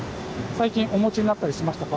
最近お持ちになったりしましたか？